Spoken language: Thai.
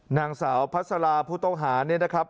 นางสาวพัสลาผู้ต้องหาเนี่ยนะครับ